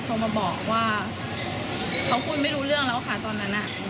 โทรมาบอกว่าเขาคุยไม่รู้เรื่องแล้วค่ะตอนนั้น